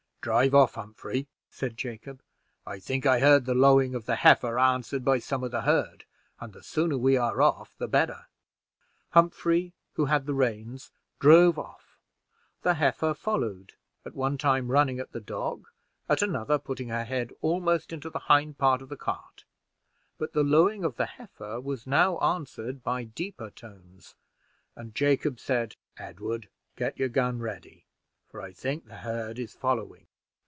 "Drive off, Humphrey," said Jacob; "I think I heard the lowing of the heifer answered by some of the herd, and the sooner we are off the better." Humphrey, who had the reins, drove off; the heifer followed, at one time running at the dog, at another putting her head almost into the hind part of the cart; but the lowing of the heifer was now answered by deeper tones, and Jacob said, "Edward, get your gun ready, for I think the herd is following.